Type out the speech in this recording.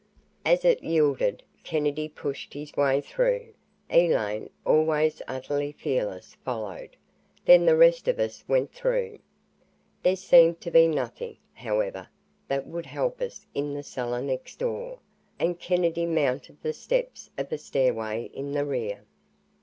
As it yielded, Kennedy pushed his way through. Elaine, always utterly fearless, followed. Then the rest of us went through. There seemed to be nothing, however, that would help us in the cellar next door, and Kennedy mounted the steps of a stairway in the rear.